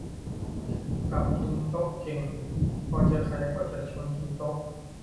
กับกินโต๊ะเก่ง พอเจอใครก็จะชวนกินโต๊ะ